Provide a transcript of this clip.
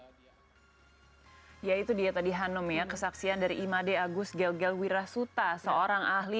hai yaitu dia tadi hanum ya kesaksian dari imade agus gel gel wirasuta seorang ahli